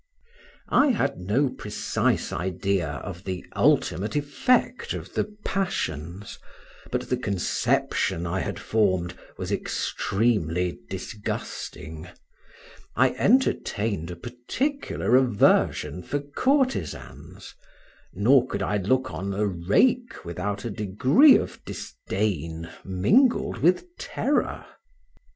I had no precise idea of the ultimate effect of the passions, but the conception I had formed was extremely disgusting; I entertained a particular aversion for courtesans, nor could I look on a rake without a degree of disdain mingled with terror.